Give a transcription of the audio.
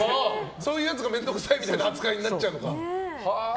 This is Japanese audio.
そういうやつが面倒くさいみたいな扱いになっちゃうのか。